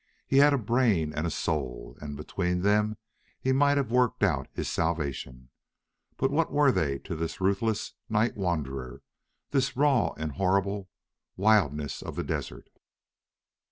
He had a brain and a soul, and between them he might have worked out his salvation. But what were they to this ruthless night wanderer, this raw and horrible wildness of the desert?